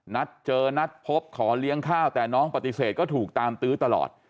นัดเจอนัดพบขอเลี้ยงข้าวแต่น้องปฏิเสธก็ถูกตามตื้อตลอด